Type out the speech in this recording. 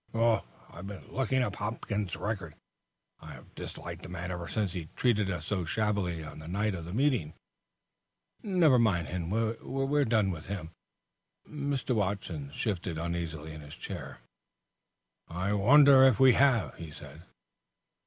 "I've been looking up Hopkins's record. I have disliked the man ever since he treated us so shabbily on the night of the meeting." "Never mind him. We've done with him." Mr. Watson shifted uneasily in his chair. "I wonder if we have?" he said.